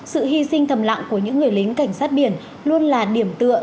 sự hy sinh thầm lặng của những người lính cảnh sát biển luôn là điểm tựa